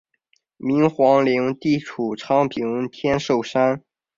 明皇陵地处昌平天寿山。